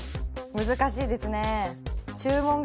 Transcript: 難しいですね。